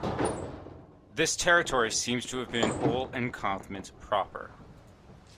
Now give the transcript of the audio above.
This territory seems to have been Ol nEchmacht proper.